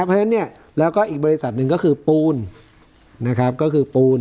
เพราะฉะนั้นเนี่ยแล้วก็อีกบริษัทหนึ่งก็คือปูนนะครับก็คือปูน